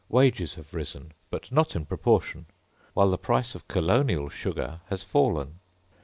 Wages have risen, but not in proportion, whilst the price of colonial sugar has fallen.